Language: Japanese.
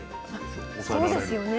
そうですよね。